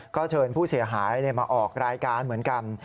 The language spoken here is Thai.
ก็เชิญผู้เสียหายมาออกรายการเหมือนกัน